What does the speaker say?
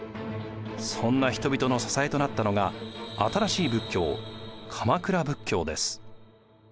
そんな人々の支えとなったのが新しい仏教鎌倉仏教です。